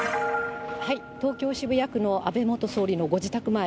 東京・渋谷区の安倍元総理のご自宅前。